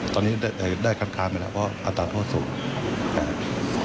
ตอนนี้ได้คลัดข้ามไปแล้วเพราะอตาโทษสูง